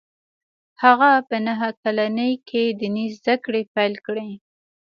هغه په نهه کلنۍ کې ديني زده کړې پیل کړې